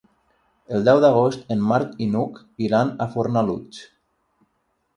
El deu d'agost en Marc i n'Hug iran a Fornalutx.